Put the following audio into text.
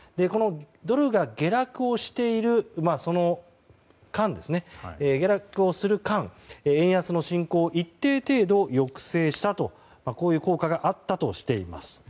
ドルが下落をしている間円安の進行を一定程度抑制したとこういう効果があったとしています。